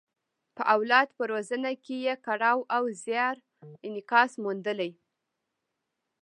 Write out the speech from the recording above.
په اولاد په روزنه کې یې کړاو او زیار انعکاس موندلی.